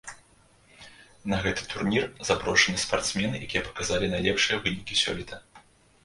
На гэты турнір запрошаны спартсмены, якія паказалі найлепшыя вынікі сёлета.